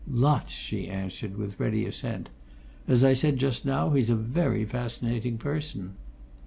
"Lots!" she answered, with ready assent. "As I said just now, he's a very fascinating person."